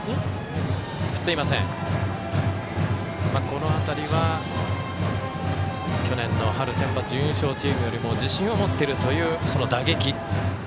この辺りは去年の春センバツ準優勝チームよりも自信を持っているという打撃。